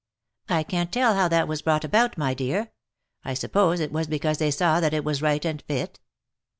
" I can't tell how that was brought about, my dear. I suppose it was because they saw that it was right and fit."